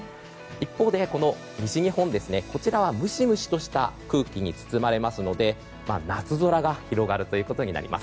一方で、西日本はムシムシとした空気に包まれますので夏空が広がるということになります。